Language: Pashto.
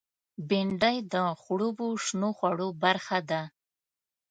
بېنډۍ د خړوبو شنو خوړو برخه ده